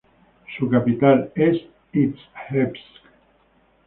Su capital es Izhevsk.